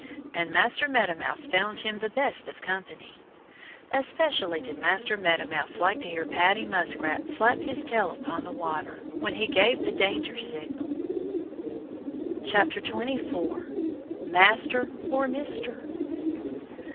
And Master Meadow Mouse found him the best of company. Especially did Master Meadow Mouse like to hear Paddy Muskrat slap his tail upon the water, when he gave the danger signal. 24 Master or Mister?